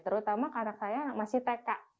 terutama anak saya yang masih tk